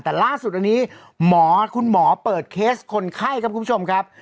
แต่ล่าสุดอันนี้หมอคุณหมอเปิดเคสคนไข้ครับคุณผู้ชมครับ